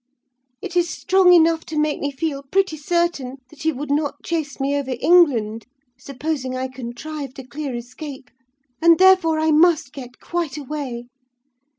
It is strong enough to make me feel pretty certain that he would not chase me over England, supposing I contrived a clear escape; and therefore I must get quite away.